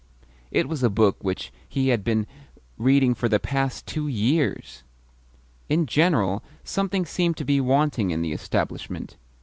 It was a book which he had been reading for the past two years! In general, something seemed to be wanting in the establishment.